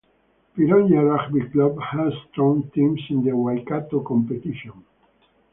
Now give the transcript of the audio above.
Pirongia Rugby Club has strong teams in the Waikato competition.